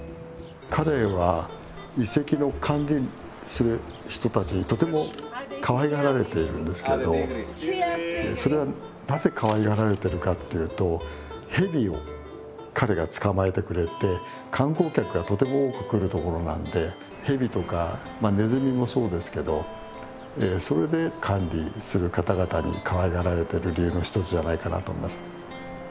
彼は遺跡の管理する人たちにとてもかわいがられているんですけれどそれはなぜかわいがられてるかっていうとヘビを彼が捕まえてくれて観光客がとても多く来る所なのでヘビとかネズミもそうですけどそれで管理する方々にかわいがられてる理由の一つじゃないかなと思います。